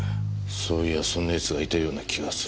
そういやそんな奴がいたような気がする。